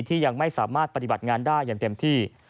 ยังไม่สามารถปฏิบัติงานได้อย่างเต็มที่